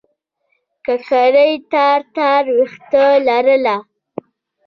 ککرۍ تار تار وېښته لرله.